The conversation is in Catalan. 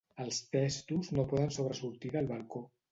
Els testos no poden sobresortir del balcó.